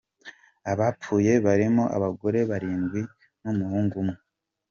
Abapfuye barimo abagore barindwi n’umuhungu umwe.